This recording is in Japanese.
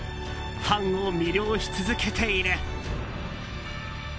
ファンを魅了し続けている。